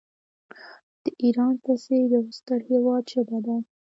د ایران په څېر یو ستر هیواد ژبه ده.